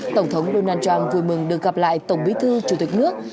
tổng thống donald trump vui mừng được gặp lại tổng bí thư chủ tịch nước